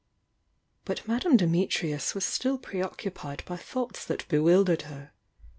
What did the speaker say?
But Madame Dimitrius was still preoccupied by thoughts that bewildered her.